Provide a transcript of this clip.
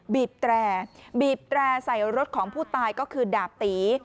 บีบแตรใส่รถของผู้ตายก็คือดาบตี